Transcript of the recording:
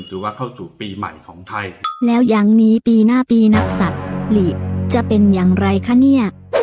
ถือว่าเข้าสู่ปีใหม่ของไทยแล้วยั้งนี้ปีหน้าปีนักศัตริย์หลีกจะเป็นอย่างไรคะเนี่ย